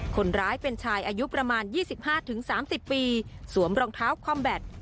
คนร้ายเป็นชายอายุประมาณ๒๕๓๐ปีสวมรองเท้าคอมแบต